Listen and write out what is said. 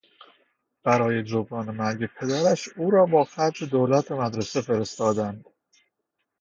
برای جبران مرگ پدرش او را به خرج دولت به مدرسه فرستادند.